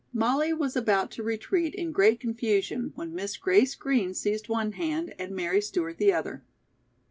Molly was about to retreat in great confusion when Miss Grace Green seized one hand and Mary Stewart the other.